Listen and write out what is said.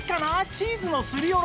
チーズのすりおろし